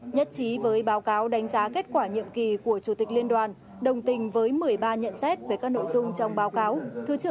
nhất trí với báo cáo đánh giá kết quả nhiệm kỳ của chủ tịch liên đoàn đồng tình với một mươi ba nhận xét về các nội dung trong báo cáo